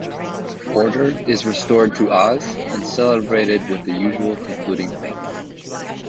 Order is restored to Oz, and celebrated with the usual concluding banquet.